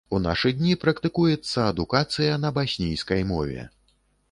У нашы дні практыкуецца адукацыя на баснійскай мове.